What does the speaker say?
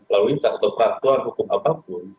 lalu lintas atau peraturan hukum apapun